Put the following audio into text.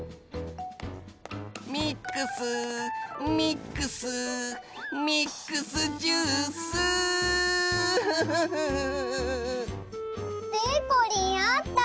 「ミックスミックスミックスジュース」でこりんあった？